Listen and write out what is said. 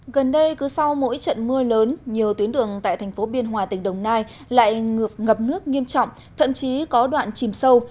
gần đây cứ sau mỗi trận mưa lớn nhiều tuyến đường tại thành phố biên hòa tỉnh đồng nai lại ngập nước nghiêm trọng thậm chí có đoạn chìm sâu